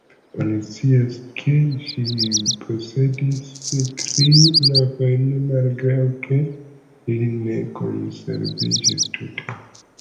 Oni scias, ke ĝi posedis tri navojn malgraŭ ke ili ne konserviĝis tute.